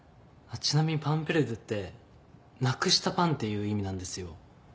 あっちなみにパンペルデュってなくしたパンっていう意味なんですよ。